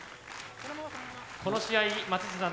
この試合松下さん